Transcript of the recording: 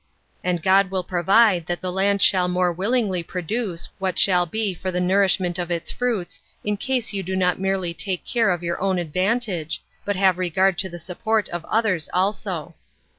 And God will provide that the land shall more willingly produce what shall be for the nourishment of its fruits, in case you do not merely take care of your own advantage, but have regard to the support of others also.